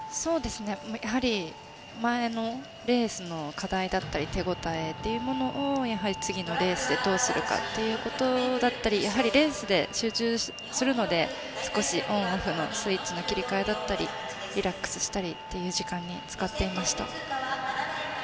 前のレースの課題だったり手応えを次のレースでどうするかということだったりやはりレースで集中するので少しオンオフのスイッチの切り替えだったりリラックスしたりという時間に使っていました。